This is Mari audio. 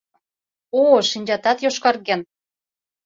О-о, шинчатат йошкарген.